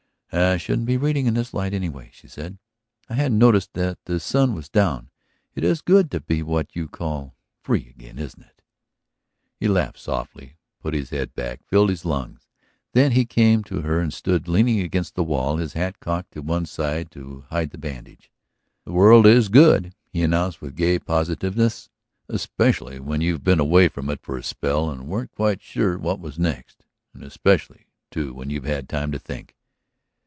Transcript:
"I shouldn't be reading in this light, anyway," she said. "I hadn't noticed that the sun was down. It is good to be what you call free again, isn't it?" He laughed softly, put back his head, filled his lungs. Then he came on to her and stood leaning against the wall, his hat cocked to one side to hide the bandage. "The world is good," he announced with gay positiveness. "Especially when you've been away from it for a spell and weren't quite sure what was next. And especially, too, when you've had time to think.